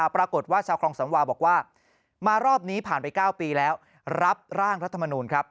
ปรากฏว่าชาวคลองสังวาบอกว่ามารอบนี้ผ่านไป๙ปีแล้วรับร่างรัฐมนูลครับ